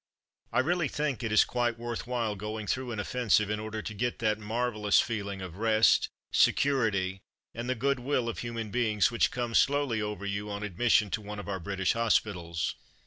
I really think it is quite worth while going through an offensive in order to get that marvellous feeling of rest, security, and the goodwill of human beings which comes slowly over you on admission to one of our British hospitals.